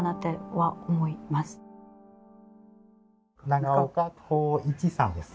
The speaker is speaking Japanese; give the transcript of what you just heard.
長岡孝一さんです。